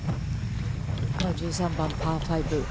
１３番パー５。